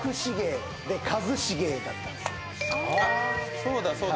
そうだそうだ。